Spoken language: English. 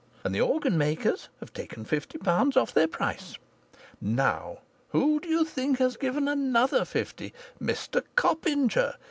And the organ makers have taken fifty pounds off their price. Now, who do you think has given another fifty? Mr Copinger!